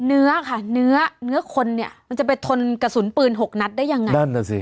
เนื้อค่ะเนื้อเนื้อคนเนี่ยมันจะไปทนกระสุนปืนหกนัดได้ยังไงนั่นน่ะสิ